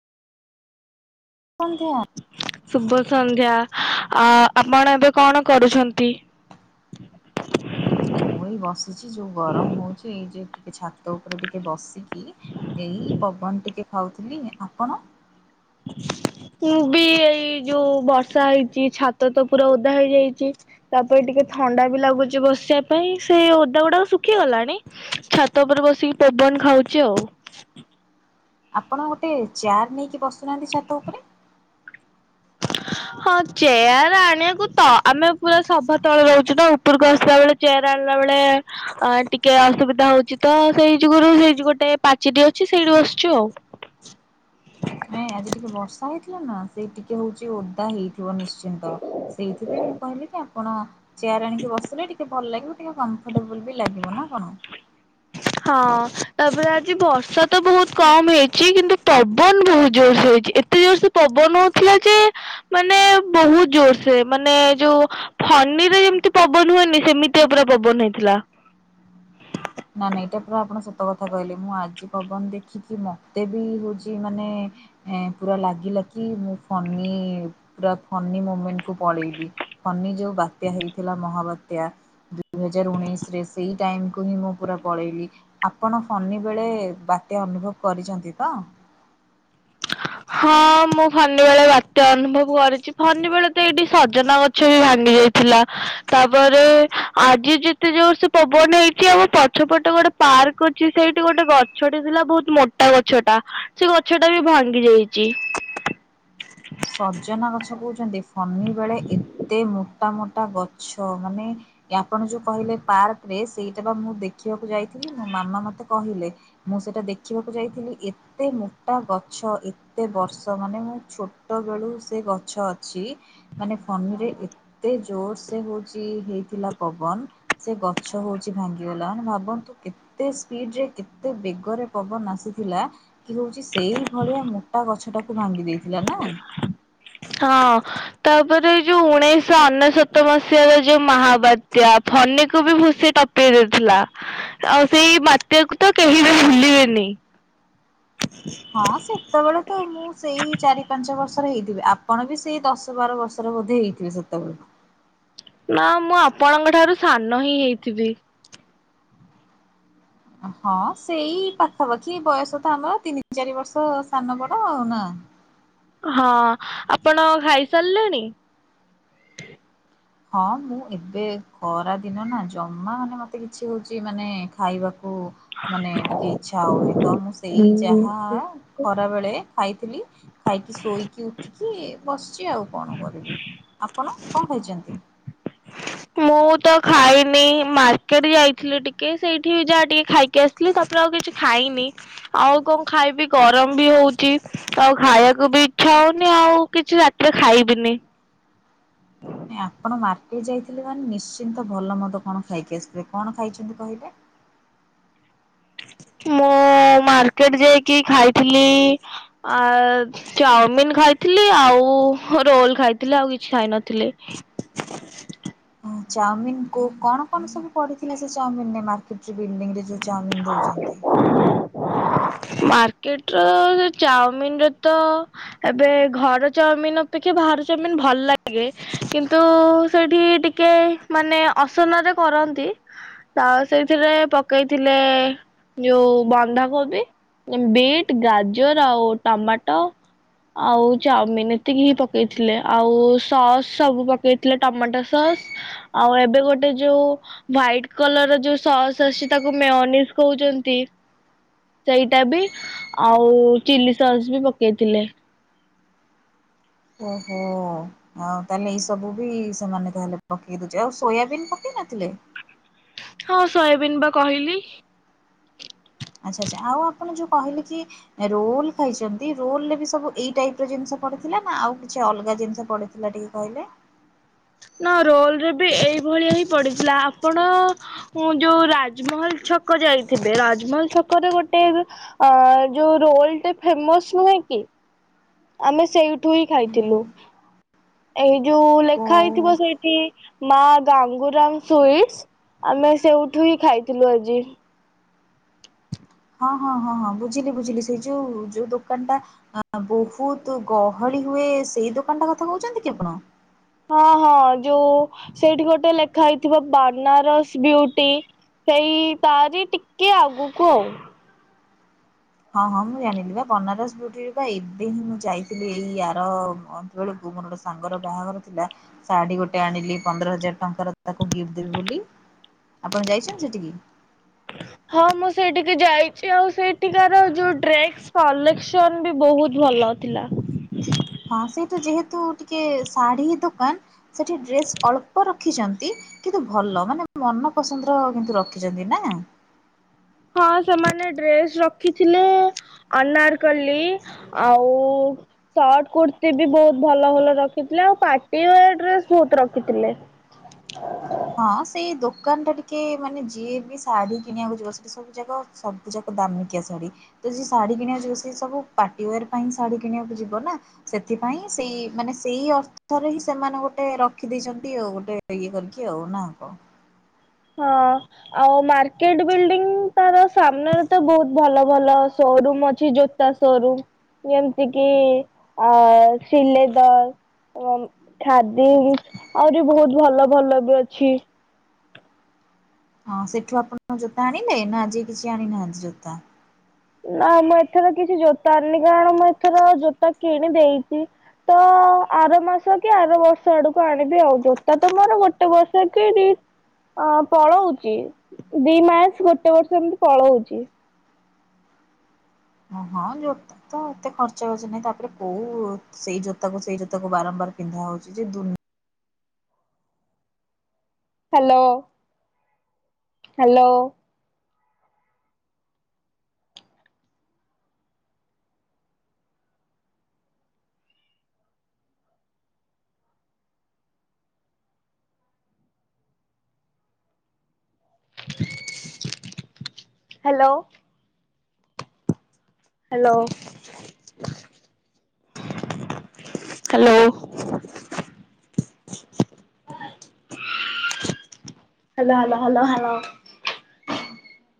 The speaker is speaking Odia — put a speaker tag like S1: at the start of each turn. S1: [unintelligible]
S2: ଶୁଭ ସନ୍ଧ୍ୟା ଆ ଆପଣ ଏବେ କଣ କରୁଛନ୍ତି?
S1: ମୁଁ ମୁଁ ଏଇ ବସିଛି ଯୋଉ ଗରମ ହଉଛି ଏଇ ଯେ ଟିକେ ଛାତ ଉପରେ ଟିକେ ବସିକି ଏଇ ପବନ ଟିକେ ଖାଉଥିଲି ଆପଣ?
S2: ମୁଁ ବି ଏଇ ଯୋଉ ବର୍ଷା ହେଇଛି ଛାତ ତ ପୁରା ଓଦା ହେଇଯାଇଛି ତାପରେ ଟିକେ ଥଣ୍ଡା ବି ଲାଗୁଛି ବସିବା ପାଇଁ ସେ ଓଦା ଗୁଡାକ ଶୁଖିଗଲାଣି। ଛାତ ଉପରେ ବସିକି ପବନ ଖାଉଛି ଆଉ।
S1: ଆପଣ ଗୋଟେ ଚେୟାର ନେଇକି ବସୁନାହାନ୍ତି ଛାତ ଉପରେ।
S2: ହଁ ଚେୟାର ଆଣିବାକୁ ତ ଆମେ ପୁରା ସଭା ତଳେ ରହୁଛୁ ତ ଉପରକୁ ଆସିଲା ବେଳେ ଚେୟାର ଆଣିଲା ବେଳେ ଆଃ ଟିକେ ଅସୁବିଧା ହଉଛି ତ ସେଇ ଯୁଗୁରୁ ସେଇ ଯୁ ଗୋଟେ ପାଚେରି ଅଛି ସେଇଠି ବସିଛୁ ଆଉ।
S1: ନାଇଁ ଆଜି ଟିକେ ବର୍ଷା ହେଇଥିଲା ନା ସେ ଟିକେ ହଉଛି ଓଦା ହେଇଥିବ ନିଶ୍ଚିନ୍ତ। ସେଇଥିପାଇଁ ମୁଁ କହିଲି କି ଆପଣ ଚେୟାର ଆଣିକି ବସିଲେ ଟିକେ ଭଲ ଲାଗିବ ଟିକେ କମ୍ଫଟେବୁଲ ବି ଲାଗିବ ନା କଣ?
S2: ହଁ ତାପରେ ଆଜି ବର୍ଷା ତ ବହୁତ କମ ହେଇଛି କିନ୍ତୁ ପବନ ବହୁତ ଜୋର ସେ ହେଇଛି ଏ ତେ ଜୋର ସେ ପବନଉଥିଲା ଯେ ମାନେ ବହୁତ ଜୋର ସେ ମାନେ ଯୋଉ ଫନିରେ ଯେମିତି ପବନ ହୁଏନି ସେମିତିୟା ପୁରା ପବନ ହେଇଥିଲା।
S1: ନା ନାଇ ଏଇଟା ପୁରା ଆପଣ ସତ କଥା କହିଲେ ମୁଁ ଆଜି ପବନ ଦେଖିଚି ମତେ ବି ହଉଛି ମାନେ ଏ ପୁରା ଲାଗିଲା କି ମୁଁ ଫନି ପୁରା ଫନି ମୁମେଣ୍ଟକୁ ପଳେଇଲି। ଫନି ଯୋଉ ବାତ୍ୟା ହେଇଥିଲା ମହାବାତ୍ୟା ଦୁଇ ହଜାର ଉଣେଇଶରେ ସେଇ ଟାଇମକୁ ହିଁ ମୁଁ ପୁରା ପଳେଇଲି ଆପଣ ଫନି ବେଳେ ବାତ୍ୟା ଅନୁଭବ କରିଛନ୍ତି ତ?
S2: ହଁ ମୁଁ ଫନିିବେଳେ ବାତ୍ୟା ଅନୁଭବ କରିଛି ଫନି ବେଳେ ତ ଏଇଠି ସଜନାଗ ଛ ବି ଭାଙ୍ଗି ଯାଇଥିଲା ତାପରେ ଆଜି ଯେତେ ଜୋର ସେ ପବନ ହେଇଛି ଆଉ ପ ଛ ପଟେ ଗୋଟେ ପାର୍କ ଅଛି ସେଇଠି ଗୋଟେ ଗଛଟି ଥିଲା ବହୁତ ମୋଟା ଗଛ ଟା ସେ ଗଛ ଟା ବି ଭା ଙ୍ଗି ଯାଇଛି।
S1: ସଜନା ଗଛ କହୁଛନ୍ତି ଫନି ବେଳେ ଏତେ ମୋଟା ମୋଟା ଗଛ ମାନେ ଆପଣ ଯୋଉ କହିଲେ ପାର୍କରେ ସେଇଟା ବା ମୁଁ ଦେଖିବାକୁ ଯାଇଥିଲି ମୋ ମାମା ମତେ କହିଲେ ମୁଁ ସେଇଟା ଦେଖିବାକୁ ଯାଇଥିଲି ଏତେ ମୋଟା ଗଛ ଏତେ ବର୍ଷ ମାନେ ମୁଁ ଛୋ ଟ ବେଳୁ ସେ ଗଛ ଅଛି। ମାନେ ଫନିରେ ଏତେ ଜୋର ସେ ହଉଛି ହେଇଥିଲା ପବନ ସେ ଗଛ ହଉଛି ଭାଙ୍ଗିଗଲା ମାନେ ଭାବନ୍ତୁ କେତେ ଏତେ ସ୍ପିଡ ରେ କେତେ ବେଗରେ ପବନ ଆସିଥିଲା। ଇଏ ହଉଛି ସେଇ ଭଳିଆ ମୋଟା ଗଛ ଟାକୁ ଭାଙ୍ଗି ଦେଇଥିଲା ନା।
S2: ହଁ। ତାପରେ ଯୋଉ ଉଣେଇଶହ ଅନେଶତ ମସିହାର ଯୋଉ ମହାବାତ୍ୟା ଫନିକୁ ବି ଭୁସି ଟ ଦେଇଥିଲା ଆଉ ସେଇ ବାତ୍ୟାକୁ ତ କେହି ବି ଭୁଲିବେନି
S1: ହଁ ସେ ସେତେବେଳେ ତ ମୁଁ ସେଇ ଚାରି ପାଞ୍ଚ ବର୍ଷର ହେଇଥିବି ଆପଣ ବି ସେଇ ଦଶ ବାର ବର୍ଷର ବୋଧେ ହେଇଥିବେ ସେତେବେଳେ।
S2: ନା ମୁଁ ଆପଣଙ୍କ ଠାରୁ ସାନ ହିଁ ହେଇଥିବି।
S1: ହଁ ସେଇ ପାଖାପାଖି ବୟସ ତ ଆମର ତିନି ଚାରି ବର୍ଷ ସାନ ବଡ ଆଉ ନା।
S2: ହଁ ଆପଣ ଖାଇସାରିଲେଣି।
S1: ହଁ ମୁଁ ଏବେ ଖରା ଦିନ ନା ଜମା ମାନେ ମତେ କିଛି ହଉଛି ମାନେ ଖାଇବାକୁ ମାନେ ଟିକେ ଇଛା ହଉନି ତ ମୁଁ ସେଇ ଯାହା ଖରା ବେଳେ ଖାଇଥିଲି ଖାଇକି ଶୋଇକି ଉଠିକି ବସିଛି ଆଉ କଣ କରିବି। ଆପଣ କଣ ଖାଇଛନ୍ତି?
S2: ମୁଁ ତ ଖାଇନି ମାର୍କେଟ ଯାଇଥିଲି ଟିକେ ସେଇଠି ଯାହା ଟିକେ ଖାଇକି ଆସିି ଥିଲି ତାପରେ ଆଉ କିଛି ଖାଇନି। ଆଉ କଣ ଖାଇବି ଗରମ ବି ହଉଚି ଆଉ ଖାଇଆକୁ ବି ଇଛା ହଉନି ଆଉ କିଛି ରା ତିରେ ଖାଇବିନି।
S1: ଏଁ ଆପଣ ମାର୍କେଟ ଯାଇଥିଲେ ମାନେ ନିଶ୍ଚିନ୍ତ ଭଲ ମଦ କଣ ଖାଇକି ଆସିଥିବେ କଣ ଖାଇଚନ୍ତି କହିଲେ?
S2: ମୁଁ ମାର୍କେଟ ଯାଇକି ଖାଇଥିଲି ଆ ଚାଓମିନ୍ ଖାଇଥିଲି ଆଉ ରୋଲ୍ ଖାଇଥିଲି ଆଉ କିଛି ଖାଇ ନଥିଲି। [inaudible]
S1: ଓ ଚାଓମିନ୍ କୁ କଣ କଣ ସବୁ ପଡ଼ିଥିଲା ସେ ଚୌମିନ ରେ? ଚାଉମିନ୍ ଦଉଚନ୍ତି।
S2: ମାର୍କେଟରେ ସେ ଚାଓମିନରେ ତ ଏବେ ଘର ଚାଓମିନ୍ ଅପେକ୍ଷା ବାହାର ଚାଓମିିନ୍ ଭଲ ଲାଗେ କିନ୍ତୁ ସେଠି ଟି କେ ମାନେ ଅସନା ତ କରନ୍ତି ତ ସେଇଥିରେ ପକେଇ ଥିଲେ ଯୋଉ ବନ୍ଧାକୋବି ବିଟ୍ ଗାଜର ଆଉ ଟମାଟ ଆଉ ଚାଉମିିନ୍ ଏତିକି ହିଁ ପକେଇଥିଲେ ଆଉ ସସ୍ ସବୁ ପକେଇଥିଲେ ଟମାଟୋ ସସ୍ ଆଉ ଏବେ ଗୋଟେ ଯୋଉ ହ୍ଵାଇଟ କଲରର ଯୋଉ ସସ୍ ଆସି ତାକୁ ମେଓନିଜ କହୁଚନ୍ତି। ସେଇଟା ବି ଆଉ ଚିଲି ସସ୍ ବି ପକେଇଥିଲେ।
S1: ଓହୋ। ଆଉ ତାହେଲେ ଏଇ ସବୁ ବି ସେମାନେ ତାହେଲେ ପକେଇ ଦେଇଚି ଆଉ ସୋୟାବିନ୍ ପକେଇ ନଥିଲେ।
S2: ହଁ ସୋୟାବିନ୍ ବା କହିଲି।
S1: ଆଚ୍ଛା ଆଚ୍ଛା ଆଉ ଆପଣ ଯୋଉ କହିଲେ କି ରୋଲ୍ ଖାଇଚନ୍ତି ରୋଲରେ ବି ସବୁ ଏଇ ଟାଇପର ଜିନିଷ ପଡିଥିଲା ନା ଆଉ କିଛି ଅଲଗା ଜିନିଷ ପଡି ଥିଲା ଟିକେ କହିଲେ।
S2: ନା ରୋଲରେ ବି ଏଇଭଳିଆ ହିଁ ପଡିଥିଲା ଆପଣ ଉଁ ଯୋଉ ରାଜମହଲ ଛକ ଯାଇଥିବେ ରାଜମହଲ ଛକରେ ଗୋଟେ ଏବେ ଆ ଯୋଉ ରୋଲଟେ ଫେମସ୍ ନୁହେଁ କି। ଆମେ ସେଇଠୁ ହିଁ ଖାଇଥିଲୁ। ଏଇ ଯୋଉ ଲେଖା
S1: କୋଉ
S2: ହେଇଥିବ ସେଇଠି ମା ଗାଙ୍ଗୁରାମ ସୁଇଟ୍ସ ଆମେ ସେଉଠୁ ହିଁ ଖାଇଥିଲୁ ଆଜି।
S1: ହଁ ହଁ ହଁ ହଁ ବୁଝିଲି ବୁଝିଲି ସେଇ ଯୋଉ ଯୋଉ ଦୋକାନଟା ଆ ବୋହୁତ ଗହଳି ହୁଏ ସେଇ ଦୋକାନଟା କଥା କହୁଛନ୍ତି କି ଆପଣ।
S2: ହଁ ହଁ ଯୋଉ ସେଇଠି ଗୋଟେ ଲେଖା ହେଇଥିବ ବାନାରସ୍ ବ୍ୟୁଟି ସେଇ ତାରି ଟିକେ ଆଗୁକୁ ଆଉ
S1: ହଁ ହଁ ମୁଁ ଜାଣିଲି ବା ବନାରସ ବ୍ୟୁଟି ବା ଏବେ ହିଁ ମୁଁ ଯାଇଥିଲି ଏଇ ଆର ମନ୍ଥ ସେତେବେଳକୁ ମୋର ଗୋଟେ ସାଙ୍ଗର ବାହାଘର ଥିଲା। ଶାଡୀ ଗୋଟେ ଆଣିଲି ପନ୍ଦର ହଜାର ଟଙ୍କାର ତାକୁ ଗିଫ୍ଟ ଦେବି ବୋଲି। ଆପଣ ଯାଇଚନ୍ତି ସେଟିକି?
S2: ହଁ ମୁଁ ସେଇଟିକି ଯାଇଚି ଆଉ ସେଇଟିକାର ଯୋଉ ଡ୍ରେକ୍ କଲେକ୍ସନ ବି ବହୁତ ଭଲ ଥିଲା।
S1: ହଁ ସେଇଟା ଯେହେତୁ ଟିକେ ଶାଢୀ ଦୋକାନ ସେଠି ଡ୍ରେସ୍ ଅଳ୍ପ ରଖିଚନ୍ତି। କିତୁ ଭଲ ମାନେ ମନ ପସନ୍ଦର କିନ୍ତୁ ରଖିଚନ୍ତି ନା?
S2: ହଁ ସେମାନେ ଡ୍ରେସ୍ ରଖିଥିଲେ ଅନାରକଲି ଆଉ ଶର୍ଟ କୁର୍ତି ବି ବହୁତ ଭଲ ଭଲ ରଖିଥିଲେ ପାର୍ଟିଓୟାର ବି ବହୁତ ରଖିଥିଲେ।
S1: ହଁ। ହଁ ସେଇ ଦୋକାନଟା ଟିକେ ମାନେ ଯିଏ ବି ଶାଢୀ କିଣିଆକୁ ଯିବ ସେଠି ସବୁ ଯାକ ସବୁଯାକ ଦାମିକିଆ ଶାଢୀ। ତ ଯିଏ ଶାଢୀ କିଣିଆକୁ ଯିବ ସିଏ ସବୁ ପାର୍ଟି ଓୟାର୍ ପାଇଁ ଶାଢୀ କିଣିଆକୁ ଯିବ ନା? ସେଥିପାଇଁ ସେଇ ମାନେ ସେଇ ଅର୍ଥରେ ହିଁ ସେମାନେ ଗୋଟେ ରଖି ଦେଇଚନ୍ତି ଅଉ ଗୋଟେ ଇଏ କରି କରିକି ନା କଣ?
S2: ହଁ। ଆଉ ମାର୍କେଟ ବିଲ୍ଡିଂ ତାର ସାମ୍ନାରେ ତ ବହୁତ ଭଲ ଭଲ ସୋରୁମ ଅଛି ସୋରୁମ୍ ଯେମିତି କିି ଅ ଶ୍ରୀଲେଦର। ଏବଂ ଖାଦିମ ଆହୁରି ବହୁତ ଭଲ ଭଲ ବି ଅଛି।
S1: ହଁ ସେଠୁ ଆପଣଙ୍କ ଜୋତା ଆଣିଲେ ନା ଆଜି କିଛି ଆଣିନାହାନ୍ତି ଜୋତା?
S2: ନା ମୁଁ ଏଥର କିଛି ଜୋତା ଆଣିନି କାରଣ ମୁଁ ଏଥର ଜୋତା କିଣି ଦେଇଛି। ତ ଆର ମାସ କି ଆର ବର୍ଷ ଆଡକୁ ଆଣିବି ଆଉ ଜୋତା ତ ମୋର ଗୋଟେ ବର୍ଷ କି ଦି ଅ ପଳଉଛି ଦି ମାସ ଗୋଟେ ବର୍ଷ ଏମିତି ପଳଉଛି।
S1: ଓ ହଁ ଜୋ ତ ଏତେ ଖର୍ଚ ବାର୍ଚ ନାହିଁ ତାପରେ କୋଉ ସେଇ ଜୋତାକୁ ସେଇ ଜୋତାକୁ ବାରମ୍ବାର ପିନ୍ଧା ହଉଛି ଯେ
S2: hello. Hello. Hello. Hello hello. Hello hello hello hello.